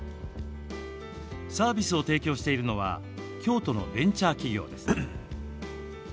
サービスを提供しているのは京都のベンチャー企業です。